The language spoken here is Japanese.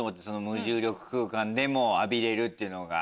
無重力空間でも浴びれるっていうのが。